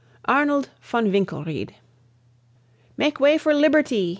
ARNOLD VON WINKLERIED. "Make way for liberty!"